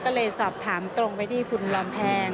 ก็เลยสอบถามตรงไปที่คุณลำแพง